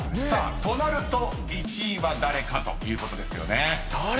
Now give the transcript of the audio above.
となると１位は誰かということですよね］